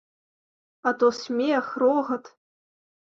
А то смех, рогат.